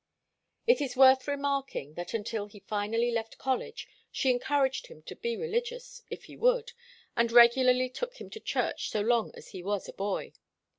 It is worth remarking that until he finally left college she encouraged him to be religious, if he would, and regularly took him to church so long as he was a boy.